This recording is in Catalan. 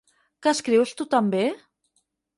Que escrius, tu també?